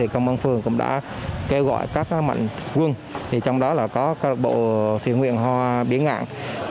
các mạnh quân trong đó là có cán bộ phiên nguyện hoa biển ngạn